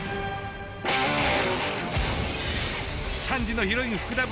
３時のヒロイン福田ｖｓ